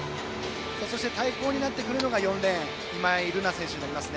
そして対抗になってくるのが４レーン、今井月選手です。